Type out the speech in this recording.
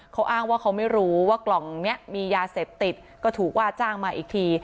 เขาอ้างว่าเขาไม่รู้ว่ากล่องนี้มียาเสพติดก็ถูกว่าจ้างมาอีกที